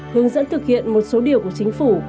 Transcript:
hướng dẫn thực hiện một số điều của chính phủ